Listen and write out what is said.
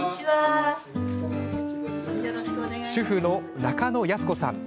主婦の中野泰子さん。